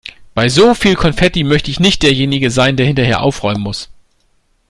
Bei so viel Konfetti möchte ich nicht derjenige sein, der hinterher aufräumen muss.